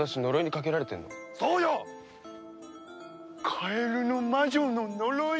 カエルの魔女の呪い！